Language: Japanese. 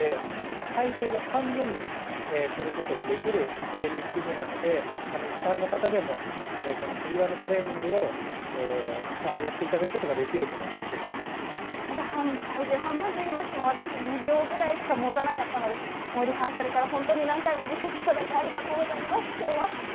体重を半分にすることができるトレーニング器具なので一般の方でもつり輪のトレーニングを体重半分といいましても私は２秒ぐらいしかもたなかったのでリハーサルから何回も見せていただいてありがとうございます。